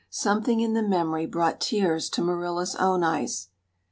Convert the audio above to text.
Something in the memory brought tears to Marilla's own eyes.